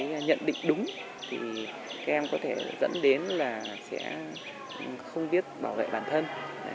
có được một cái nhận định đúng thì các em có thể dẫn đến là sẽ không biết bảo vệ bản thân